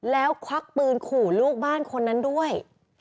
แล้วควักปืนขู่ลูกบ้านคนนั้นด้วย